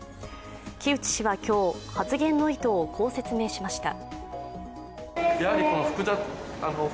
城内氏は今日、発言の意図をこう説明しました。